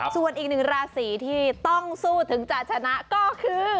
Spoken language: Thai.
ส่วนอีกหนึ่งราศีที่ต้องสู้ถึงจะชนะก็คือ